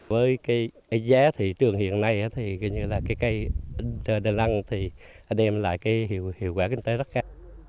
với cái giá thị trường hiện nay thì cái cây đinh lăng thì đem lại cái hiệu quả kinh tế rất cao